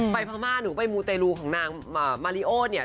พม่าหนูไปมูเตรลูของนางมาริโอเนี่ย